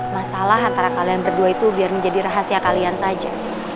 masalah antara kalian berdua itu biar menjadi rahasia kalian saja